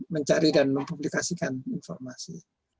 mencari dan mempublikasikan informasi